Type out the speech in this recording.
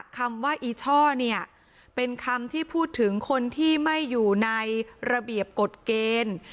คำว่าอีช่อเนี่ยเป็นคำที่พูดถึงคนที่ไม่อยู่ในระเบียบกฎเกณฑ์